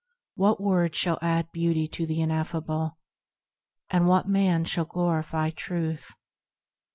What words shall add beauty to the ineffable? And what man shall glorify Truth?